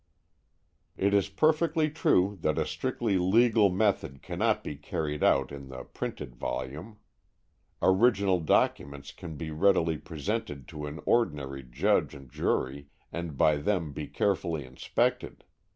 It is perfectly true that a strictly legal method cannot be carried out in the printed volume. Original documents can be readily presented to an ordinary judge and jury and by them be carefully inspected.